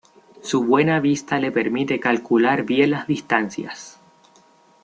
Su buena vista le permite calcular bien las distancias.